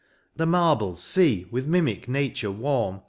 The marble, fee ! with mimic nature warm.